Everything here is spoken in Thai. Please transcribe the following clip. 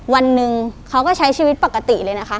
วันหนึ่งเขาก็ใช้ชีวิตปกติเลยนะคะ